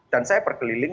dan saya berkeliling